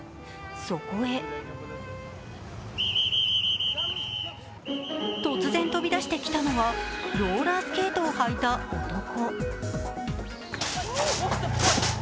そこへ突然飛び出してきたのは、ローラースケートを履いた男。